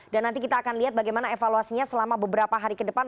dan nanti kita akan lihat bagaimana evaluasinya selama beberapa hari ke depan